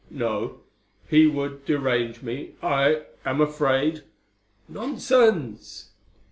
"No! He would derange me! I am afraid!" "Nonsense."